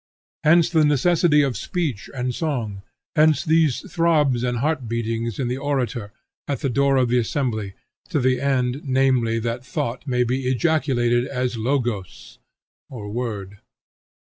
Hence the necessity of speech and song; hence these throbs and heart beatings in the orator, at the door of the assembly, to the end namely that thought may be ejaculated as Logos, or Word.